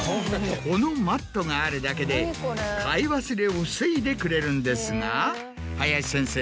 このマットがあるだけで買い忘れを防いでくれるんですが林先生